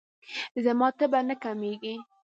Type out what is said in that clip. زما تبه نه کمیږي.